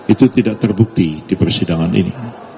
itu tidak terbukti di persidangan ini